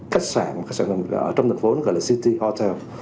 khách sạn khách sạn ở trong thành phố gọi là city hotel